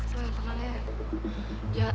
boleh tenang ya